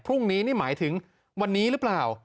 พรุ่งนี้นี่หมายถึงวันนี้หรือเปล่า